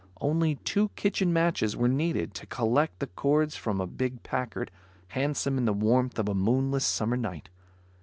Only two kitchen matches were needed to collect the cords from a big Packard, handsome in the warmth of a moonless summer night.